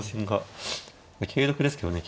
桂得ですけどね。